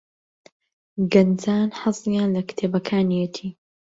گەنجان حەزیان لە کتێبەکانیەتی.